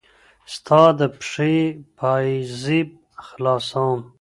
ستا د پښې پايزيب خلاصوم